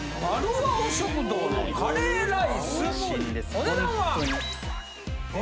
お値段は。